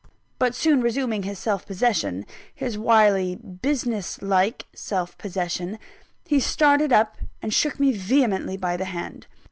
But soon resuming his self possession his wily, "business like" self possession he started up, and shook me vehemently by the hand.